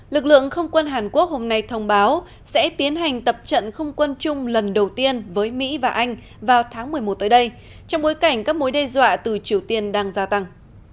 lực lượng không quân hàn quốc hôm nay thông báo sẽ tiến hành tập trận không quân chung lần đầu tiên với mỹ và anh vào tháng một mươi một tới đây trong bối cảnh các mối đe dọa từ triều tiên đang gia tăng